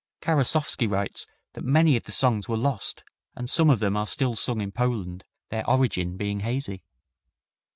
Karasowski writes that many of the songs were lost and some of them are still sung in Poland, their origin being hazy.